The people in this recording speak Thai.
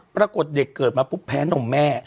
ปรากฏเด็กเกิดมาปุ๊บแพ้นมแม่